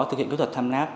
thực hiện kỹ thuật timelapse